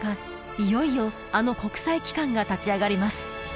いよいよあの国際機関が立ち上がります